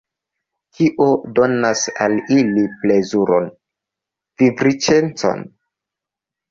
Kio donas al ili plezuron, vivriĉecon?